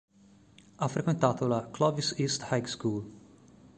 Ha frequentato la Clovis East High School.